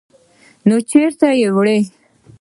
_نو چېرته يې وړې؟